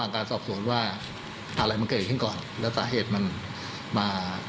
ค่ะ